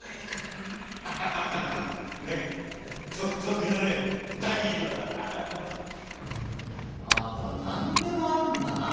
あなた何でもあるんだなぁ。